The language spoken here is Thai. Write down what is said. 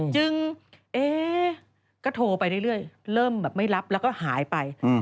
เอ๊ก็โทรไปเรื่อยเริ่มแบบไม่รับแล้วก็หายไป